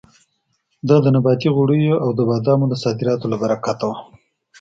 دا د نباتي غوړیو او د بادامو د صادراتو له برکته وه.